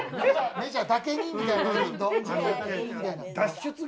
メジャーだけにみたいな。